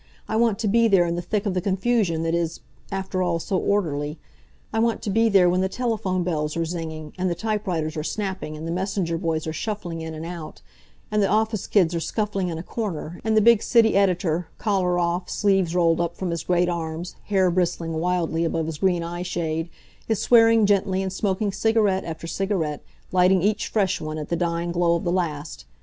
I want to be there in the thick of the confusion that is, after all, so orderly. I want to be there when the telephone bells are zinging, and the typewriters are snapping, and the messenger boys are shuffling in and out, and the office kids are scuffling in a corner, and the big city editor, collar off, sleeves rolled up from his great arms, hair bristling wildly above his green eye shade, is swearing gently and smoking cigarette after cigarette, lighting each fresh one at the dying glow of the last.